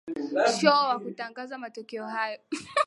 sho wa kutangazwa matokeo haya